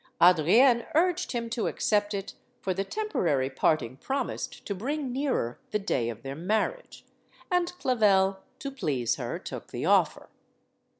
Adrienne urged him to accept it, for the temporary parting promised to bring nearer the day of their marriage. And Clavel, to please her, took the offer.